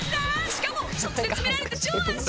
しかも直接見られて超安心。